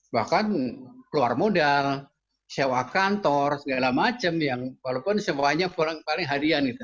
bahkan keluar modal sewa kantor segala macam yang walaupun semuanya paling harian gitu